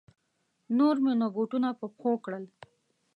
نور مې نو بوټونه په پښو کړل.